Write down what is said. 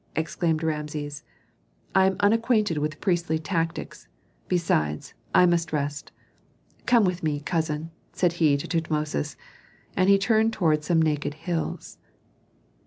exclaimed Rameses. "I am unacquainted with priestly tactics; besides, I must rest. Come with me, cousin," said he to Tutmosis; and he turned toward some naked hills.